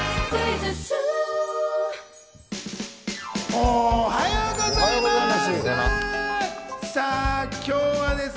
おはようございます。